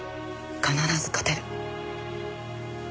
必ず勝てる。